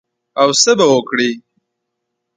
او څه به وکړې؟